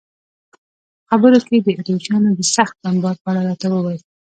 په خبرو کې یې د اتریشیانو د سخت بمبار په اړه راته وویل.